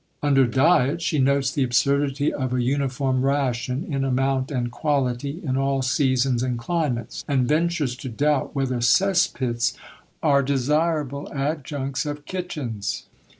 Under "Diet," she notes the absurdity of a uniform ration, in amount and quality, in all seasons and climates; and ventures to doubt whether cesspits are desirable adjuncts of kitchens.